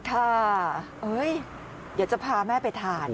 เธอเฮ้ยอยากจะพาแม่ไปถ่าน